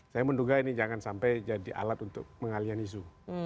saya menduga ini jangan sampai jadi alat untuk mengalian isu